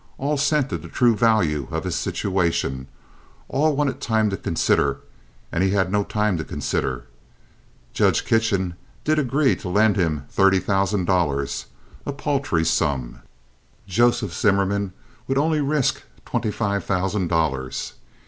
All scented the true value of his situation, all wanted time to consider, and he had no time to consider. Judge Kitchen did agree to lend him thirty thousand dollars—a paltry sum. Joseph Zimmerman would only risk twenty five thousand dollars.